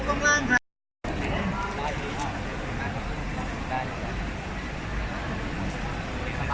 พุสิทธิ์เรียนมีมาอยู่ที่ซวก